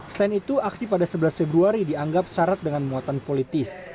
selain itu aksi pada sebelas februari dianggap syarat dengan muatan politis